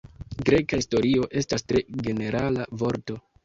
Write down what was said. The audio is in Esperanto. Greka historio estas tre ĝenerala vorto.